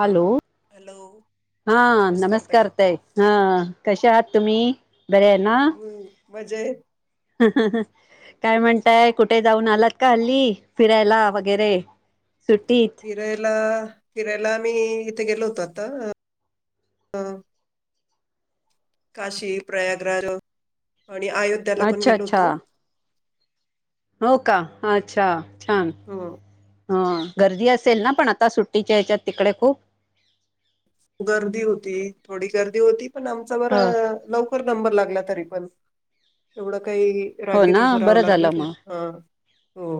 Hello hello हा नमस्कार ताय हा कसे आहात तुम्ही? बरे आहे ना? हम्म मजेत. काय म्हणताय? कुठे जाऊन आलात का हल्ली फिरायला वगैरे. सुट्टीत फिरायला फिरायला आम्ही इथे गेलो होतो आता अ ह काशी प्रयागराज आणि अयोध्याला पण अच्छा गेलो अच्छा होतो. हो का अच्छा छान. हम्म. ह गर्दी असेल ना पण आता सुट्टीच्या ह्याच्यात तिकडे खूप. गर्दी होती थोडी गर्दी होती पण आमचा बर ह लवकर नंबर लाग ला तरी पण एवढं काही हो रांगेत ना उभं राहावं बरं लागल झालं नाही मग हा. हो.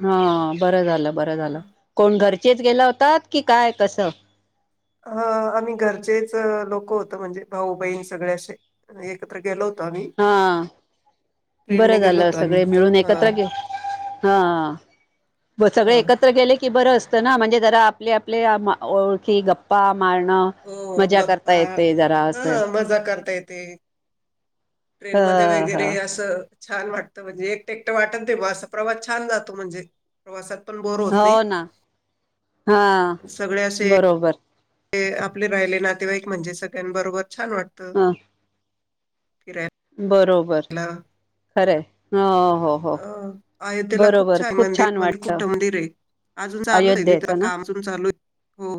हा बरं झालं बरं झालं कोण घर चेच गेला होतात की काय कसं? ह आम्ही घरचेच लोक होतो म्हणजे भाऊ बहीण सगळे असे एकत्र गेलो आम्ही हा. बरं ट्रेनने गेलो झालं होतो आम्ही सगळे मिळून हा एकत्र घे हा. सगळे हा एकत्र गेले की बरं असतं ना म्हणजे जरा आपले आपले ओळखी गप्पा. मारण हो मजा करता येते जरा असे. ते ह ट्रेन मध्ये ह वगैरे असं छान वाट त. म्हणजे एकटे एकटं वाटतल तेव्हा असं प्रवास छान जातो म्हणजे प्रवासात पण बोर होत हो नाही. ना हा सगळे असे बरोबर आपले राहिले नातेवाईक म्हणजे सगळ्यां बरोबर छान वाटतं. ह फिरायला. बरोबर. खरं ह... हॊ हॊ. अं अयोध्येला खूप छान मंदिर मोठं मंदिर आहे. अजून चालू आहे तिथ अयोध्येचं ना काम अजून चालू आहे. हो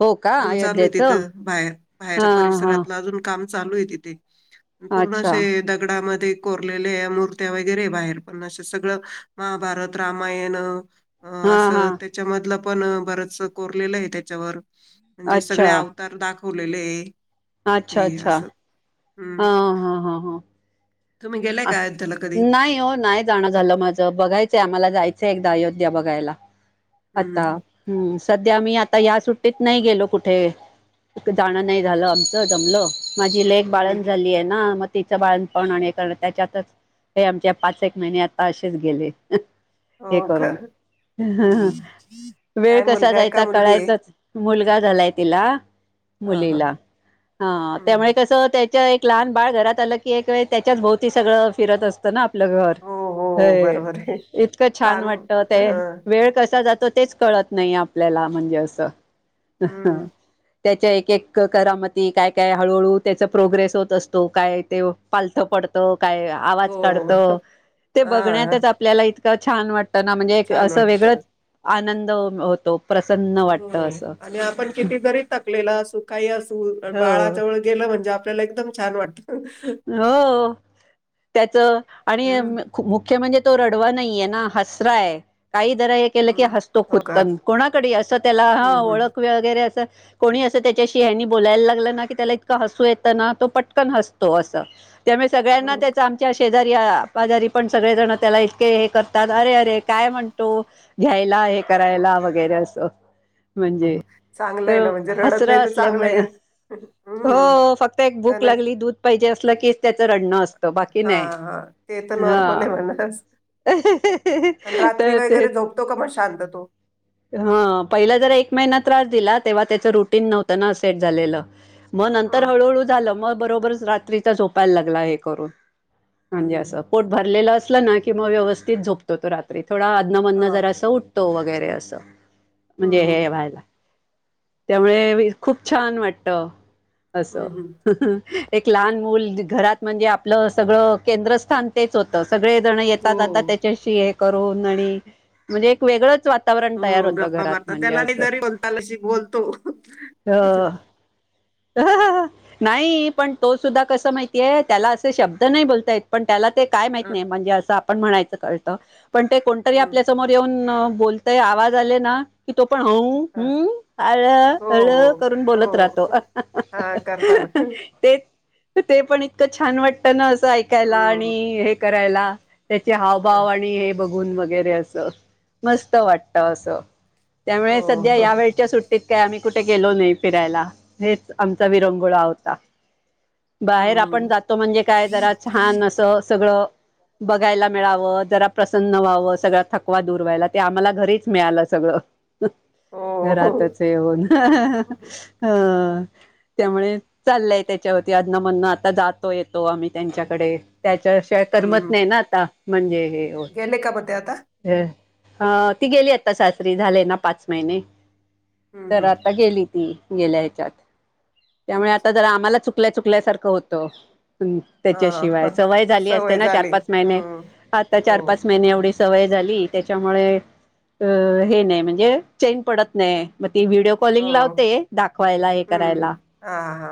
हो का आणि चालू आहे अयोध्येचं तिथं बाहेर बाहेर हा हा परिसरातलं अजून काम चालू आहे तिथे पूर्ण अच्छा असे दगडामध्ये कोरलेल्या मूर्त्या वगैरे बाहेर. पण अस सगळं महाभारत, रामायणं हा हा असं त्याच्यामधलं पण बरचं कोरलेलं आहे त्याच्यावर म्हणजे सगळे अच्छा अवतार दाखवलेले आहे. अच्छा तिथे अच्छा. असं हा हम्म. हा हा हा तुम्ही गेलाय का अयोध्याला कधी? नाही हो नाही जाणं झालं माझं बघायचंय आम्हाला जायचंय एकदा अयो- ध्या बघायला. हम्म आता हम्म सध्या मी आ- ता या सुट्टीत नाही गेलो कुठे. जाणं नाही झालं आमचं जमलं. माझी लेग बाळण हम्म. झाली आहे ना. मग तिचं बाळण पण त्याच्यातच, हे आमचे पाच एक महिने आता असेच गेले. हे हो का? करून हम्म. वेळ काय कसा मुलगा आहे का जायचा मुलगी आहे? कळायचाच मुल लगा झालाय तिला, हा हा. मुलीला. हां हम्म. त्यामुळे कस त्याच्या लहान बाळ घरात आलं की, एकवेळ त्याच्याच भोवती सगळं फिरत असतं ना? आपलं घर हो हो हे बरोबर आहे. इतकं छान लहान वाटत. ते हं वेळ कसा जा तो तेच कळत नाही आपल्याला म्हणजे असं. हम्म. त्याच्या एक एक करामती काय काय हळूहळू त्याचा प्रोग्रेस होत असतो काय ते पालथं पडतं, काय आवाज हो, हो. काढतं ते हां. बघण्यातच आपल्याला इतकं छान वाट तना म्हणजे छान असं वाटतं. वेगळंच आनंद होतो. प्रसन्न वाटत हो असं आणि आपण किती जरी थकलेला असू काही असू हो बाळाजवळ गेल म्हणजे आपल्याला एकदम छान वाटतं. हो. त्याच आणि हं, मुख्य म्हणजे तो रडवा नाहीये ना हसराय. काही जरा हे केलं की हं. हसतो हो का? खुदकन. कोणाकडे असं त्याला ह हं, हं. ओळख वगैरे असं. कोणी असं त्याच्याशी आणि बोलायला लागलं ना की त्याला इतकं हसू येतं ना तो पटकन हस तो अस त्यामुळे सगळ्यांना हो, त्या आमच्या शे तरी माघारी पण सगळे जण त्याला इतके हे करतात अरे अरे काय म्हणतो घ्यायला. हे करायला वगैरे असं म्हणजे हं. चांगलं आहे ना म्हणजे रडत हसरा नाही तर चांगलं असल्यामुळे आहे. हं. हो फक्त एक भूक अन् लागली दूध पा हीजे असलं की त्याच रडण असत. बाकी नाही हां, हां. ते तर नॉर्मल आहे हं. म्हणा. आणि रात्री तर ते, वगैरे झोपतो का मग शांत तो? ह पहिला जरा एक महि ना त्रास दिला तेव्हा त्याच्या रुटीन नव्हतं ना. सेट झालेलं मग नंतर हं, हळूहळू झालं मग बरोबरच रात्रीचा झोपायला लागला हे करून. म्हणजे हं. असं पोट भरलेला असला ना की किंवा व्यवस्थित झोपतो तो रात्री. थोडं अधन मदन हां. जरासं उठतो वगैरे असं. हं, म्हणजे हे हं. व्हायला त्यामुळे खूप छान वाटत. असो. हं, हं. एक लहान मुल घरात म्हणजे आपलं सगळं केंद्रस्थान तेच होतं सगळे जातात हो. त्याच्याशी हे करून आणि म्हणजे एक वेगळंच वाता वरण तयार हो, होत गप्पा घरात मारतात. म्हणजे त्याला नाही असं जरी बोलता आलं तशी बोलतो. हो. हा हा हा. नाही पण तो सुद्धा कस माहितीय? त्याला असे शब्द नाही बोलतायेत पण त्याला ते काय माहीत हं, नाही. म्हणजे असं म्हणायचं कळतं पण कोणतरी हं. आपल्या समोर येवून बोलतय आवाज आले ना की तो पण ह ह हम्. हळ हो हळ हो करून बोलत राहतो हो हा करताना तेच. तर ते पण इतक छान वाटत ना असं ऐकायला हम्म आणि हे करायला त्याचे हावभाव आणि हे बघ वैगेरे अस मस्त वाटत अस हो त्यामुळे सध्या या वेळच्या सुट्टी त त्या आम्ही कुठे गेलो नाही फिरायला. हेच आमचा विरंगुळा होता. बाहेर आपण हम्म जातो म्हणजे काय जरा छान असं सगळं. बघायला मिळावं. जरा प्रसन्न व्हावं. सगळ थकवा दूर व्हायला ते आम्हाला घरीच मिळालं सगळं. हो घरातच येऊन ह. त्यामुळे चाललंय त्याच्यावरती अधमं मधन आता जातो येतो आम्ही त्यांच्याकडे. त्याच्याशिवाय करमत हम्म नाही ना आता म्हणजे हे होत गेले का म ते आता? अ ह ती गेली आता सासरी. झालेय ना पाच महिने? हम्म तर हम् आता गेली ती गेल्या ह्याच्यात त्यामुळे आता अच्छा जर आम्हाला चुक चुकल्या चुकल्यासारखं होतं. ह हा त्याच्याशिवाय हा. सवय झाली असते ना चार झाली पाच महिने हम्म आता हो चार पाच महिने एवढे सवय झाली त्याच्यामुळे हे नाही म्हणजे चैन पडत नाही. ती व्हिडिओ हो कॉलिंग लावते दाखवायला हे हम्म करायला हम् हा हा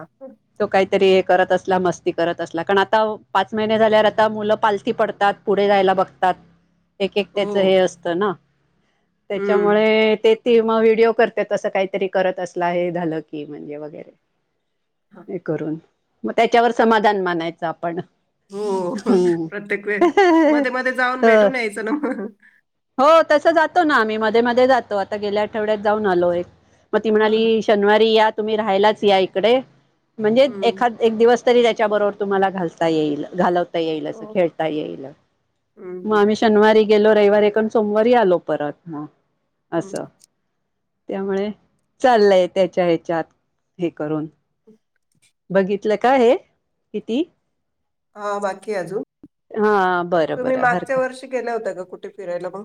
तो काहीतरी करत असला मस्ती करत असला कारण आता पाच महिने झाल्यावर आता मुलं पालथी पडतात पुढे जायला बघतात. एक एक हो त्याच हे असतं ना. हम्म त्याच्यामुळे ते ती मग व्हिडिओ करते तसं काहीतरी करत असलं हे झालं की म्हणजे वगैरे हे करून मग त्याच्यावर समाधान मानायचं आपण हो हम्म प्रत्येक वेळ मध्ये मध्ये जाऊन भेटून यायचं ना. ह ह तस जातो ना आम्ही मध्ये मध्ये जातो. आता गेल्या आठवड्यात जाऊन आलो एक मग ती हा. म्हणाली शनिवारी या तुम्ही राहायलाच या इकडे म्हणजे हम्म एखाद एक दिवस त्याच्याबरोबर तुम्हाला घालता येईल घालवता येईल हो असं खेळता येईल असं मग हम्म आम्ही सोमवारी गेलो रविवारी एक आणि सोमवारी आलो परत मग असंं हम् त्यामुळे चाललंय त्याच्या ह्याच्यात हे करून बघितलं काय हे किती हा बाकी अजून हा बरं तुम्ही बरं मागच्या हरकत वर्षी गेल्या होत ग कुठ ठ फिरायला मग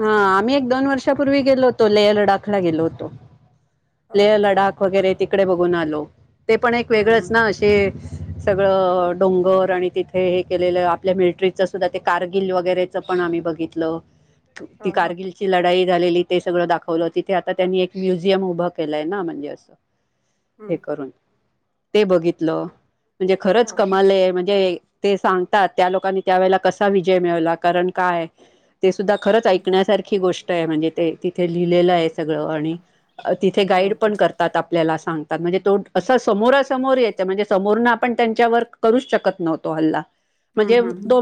हा आम्ही एक दोन वर्षापूर्वी गेलो होतो लेह लडाखला गेलो होतो लेह अच्छा लडाख वगैरे बरं. तिकडे बघून आलो ते पण एक हम्म वेगळंच ना असे सगळं डोंगर आणि तिथे हे केलेलं आपल्या मिल्ट्री सुद्धा ते कारगिल वगैरेच ते पण आम्ही बगितलं हा ती हा कारगिलची लढाई झालेली ते सगळं दाखवलं तिथे आता त्यांनी एक म म्युझियम उभं केलंय ना म्हणजे असं हम्म हे करून ते बघितलं म्हणजे हा खरंच हा कमाल म्हणजे ते सांगतात त्या लोकांनी त्यावेेळेला कसा विजय मिळला कारण काय ते सुद्धा खरंच हम्म ऐकण्यासारखी गोष्ट आहे म्हणजे ते तिथे लिहिलेलं आहे सगळ आणि तिथे हो गाईड का पण करतात आपल्याला सांग तात म्हणजे तो असं समोरासमोर येतं म्हणजे समोरन आपण त्यांच्यावर करूच शकत नव्हतो हल्ला हम्म म्हणजे हम्म तो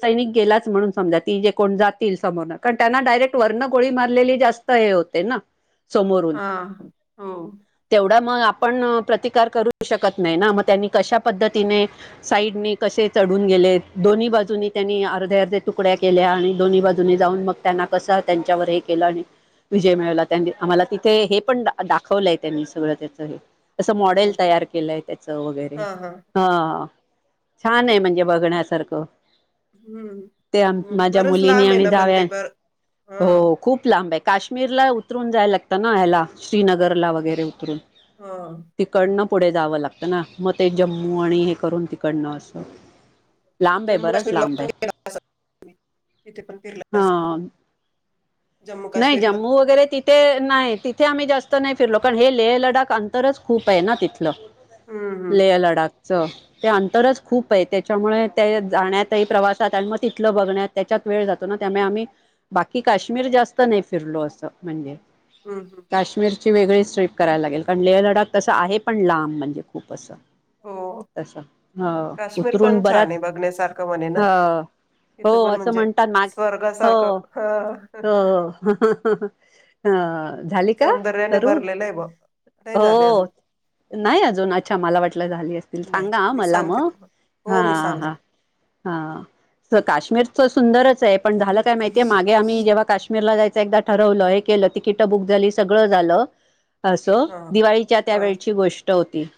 सैनिक गेलाच म्हणून समजा ती जे कोण जात तील समोर कारण त्यांना डायरेक्ट वरण गोळी मारलेली जास्त हे होते ना समोरून हा हो तेवढा मग आपण प्रतिकार करू शकत नाही ना म त्यांनी कशा पद्धतीने साईडने कशे चढून गेले दोन्ही बाजूनी त्यांनी अर्ध्या अर्धे तुकड्या केल्या आणि दोन्ही बाजू नी जाऊन मग त्यांना कस त्यांच्यावर हे केलं आणि विजय मिळवला त्यांनी आम्हाला तिथे हे पण दाखवलंय त्यांनी सगळं त्याच हे तस मॉडेल हो का तयार केलंय त्याच वगैरे हा हा हा छान आहे म्हणजे बघण्यासारखं ते हम्म माझ्या बरंच मुलीनी लांब आहे आणि ना पण जाव्या ते बर हा हो खूप लांब आहे काश्मीरला उतरून जायला लागतं ना ह्याला श्रीनगरला वगैरे उतरून हा तिकडनं पुढे जावं लागतं ना मग ते जम्मू आणि हे करून तिकडनं असं लांब आहे जम्मू बरच काश्मीरला लांब पण आहे गेला असाल तिथे पण फिरला असाल ह जम्मू नाही काश्मीरला जम्मू वगैरे तिथे नाही तिथे आम्ही जास्त नाही फिरलो कारण हे लेह लडाख अंतरच खूप आहेना तिथलं हम्म हम्म लेह लडाख च ते अंतरच खूप आहे त्याच्यामुळे ते जाण्यात आहे प्रवासात आणि मग तिथलं बघण्यात त्याच्यात वेळ जातो ना त्यामुळे आम्ही बाकी काश्मीर जास्त नाही फिरलो असं म्हणजे हम् हम्म ची वेगळीच ट्रीप करायला लागेल कारण लेह लडाख तस आहे पण लांब म्हणजे खूप असं. हो तस ह काश्मीर उतरून पण बराच छान आहे बघण्यासारखं म्हणे ना हा.. हो तिथं पण असं म्हणजे म्हणतात माग हो स्वर्गासारखं हा हो. अ झाली का सौंदर्याने करू भरलेलं आहे बघ नाही झाले अजून हो. नाही अजून अच्छा मला वाटलं झाली असतील नाही सांगा मी मला सांगते मग तुम्हाला हा हो मी सांगते हा.. हा काश्मीर तर सुंदरच आहे पण झालं काय माहितीय मागे आम्ही जेव्हा काश्मीरला जाय.. च एकदा ठरवलं हे केलं तिकिट बुक झाली सगळं झालं. असो हां दिवाळीच्या त्या हां वेळची गोष्ट होती.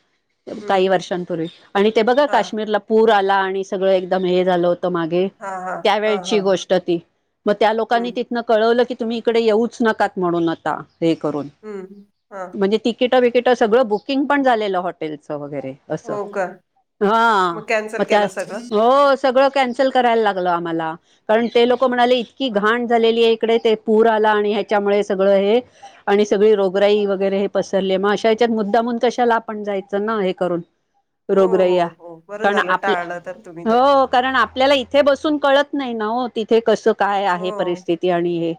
काही हं वर्षांपूर्वी आणि ते बघा हां काश्मीरला पूर आला आणि सगळं एकदम हे झालं होत होत मागे हां हां त्या वेळी हां ची हां गोष्ट ती मग त्या हं लोकांनी तीतन कळवल की तुम्ही इकडेच येऊच नकात म्हणून आत्ता हे करून हं हां म्हणजे तिकीट विकट सगळं बुकिंग पण झालेलं हॉटेलच वगैरे.. अस हो का हा कॅन्सल मग त्या केलं सगळं हो सगळं कॅन्सल करायला लागलं आम्हाला कारण ते लोक म्हणाले इतकी हं हं घाण झालेली आहे इकडे. पूर आला आणि ह्याच्यामुळे सगळं हे आणि सगळी रोगराई वगैरे हे पसरले मग अशा ह्यात मुद्दाम. कशाला आपण जायचं ना हे करून.. हो रोगर हो हो बरं कारण झालं आपल्या टाळलं तर तुम्ही तर हो कारण आपल्याला इथे बसून कळत. नाही ना हो तिथे कसं काय हो आहे परिस्थिती आणि हे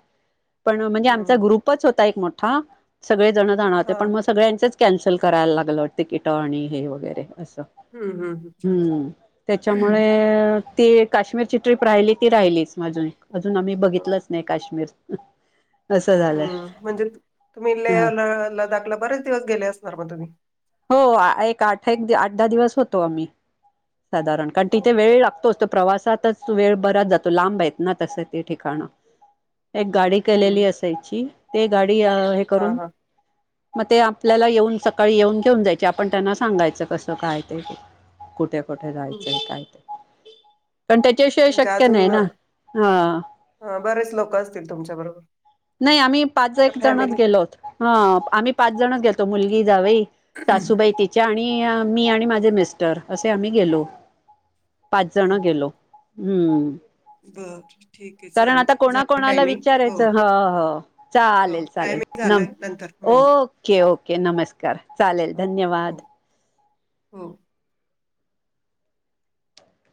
पण म्हणजे आमचा हं ग्रुपच होता एक मोठा सगळे जण जाणव होते हां पण मग सगळ्यांचेच. कॅन्सल करायला लागलं तिकीटं आणि हे वगैरे.. असं हं हं ह त्याच्यामुळे. हं ते काश्मीरची ट्रिप राहिली ती राहिलीच माजून अजून आम्ही बघितलंच नाही काश्मीर.. असं झालंय हम् म्हणजे तुम्ही लला दाखला बरेच दिवस गेले असणार मग तुम्ही. हो एक आठ एक आठ दहा दिवस होतो आम्ही.. साधारण कारण हो तिथे का वेळ लागतो असतो प्रवास.. वेळ बराच जातो लांब आहेत ना तस ते ठिकाण.. एक गाडी हं केलेली असायची ते गाडी हे हां करून.. हां मग ते आपल्याला येऊन सकाळी येऊन. ठेऊन जायची आपण त्यांना सांगायचं कसं काय ते कुठे कुठे हं जायचंय काय ते. पण त्याच्याशिवाय म्हणजे शक्य नाही अजून ना हा.. अ, बरेच लोक असतील तुमच्याबरोबर नाही आम्ही पाच का एक जणच फॅमिली गेलोत हा आम्ही पाच जण घेतो मुलगी जावई सासूबाई त्याच्या. आणि मी आणि माझे मिस्टर असे आम्ही गेलो पाच जण गेलो. हम्म बर ठीक आहे चाल जा टायमिंग हो. हो हो हो चालेल चालेल टायमिंग नम झालाय नंतर हो ओके ओके नमस्कार. चालेल हो हो धन्यवाद. हो